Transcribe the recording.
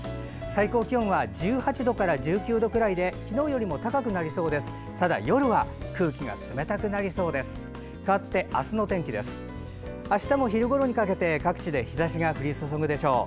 最高気温は１８度から１９度くらいで昨日よりも高くなるでしょう。